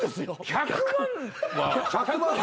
１００万は。